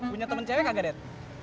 punya temen cewek kagak det